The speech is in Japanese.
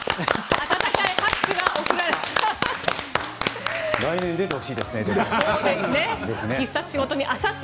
温かい拍手が送られて。